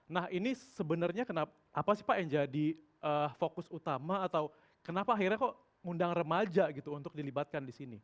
nah ini sebenarnya kenapa sih pak yang jadi fokus utama atau kenapa akhirnya kok ngundang remaja gitu untuk dilibatkan di sini